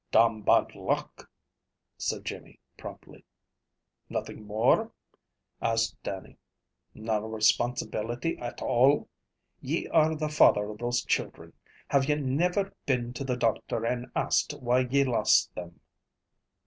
"Domn bad luck," said Jimmy promptly. "Nothing more?" asked Dannie. "Na responsibility at all. Ye are the father of those children. Have ye never been to the doctor, and asked why ye lost them?"